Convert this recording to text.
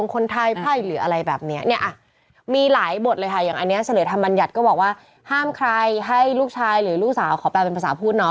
ขอแปลเป็นภาษาพูดเนาะ